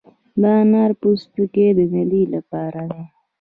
د انار پوستکي د معدې لپاره دي.